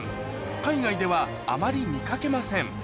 海外ではあまり見掛けません